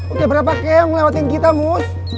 udah berapa kem ngelawatin kita muz